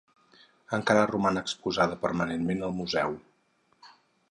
Encara roman exposada permanentment al museu.